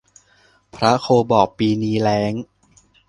พระโคบอกปีนี้แล้ง